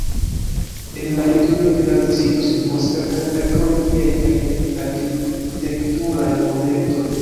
En la teritorio de la distrikto situas kelkaj arkeologiaj kaj arkitekturaj objektoj.